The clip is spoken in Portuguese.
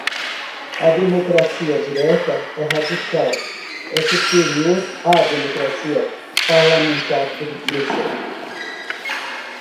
A democracia direta e radical é superior à democracia parlamentar burguesa